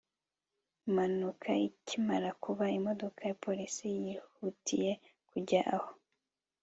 impanuka ikimara kuba, imodoka ya polisi yihutiye kujya aho